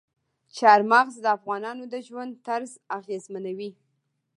چار مغز د افغانانو د ژوند طرز اغېزمنوي.